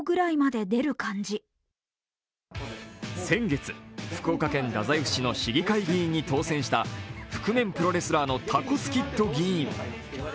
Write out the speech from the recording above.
先月、福岡県太宰府市の市会議員に当選した覆面プロレスラーのタコスキッド議員。